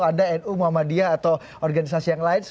ada nu muhammadiyah atau organisasi yang lain